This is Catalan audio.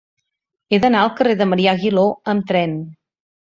He d'anar al carrer de Marià Aguiló amb tren.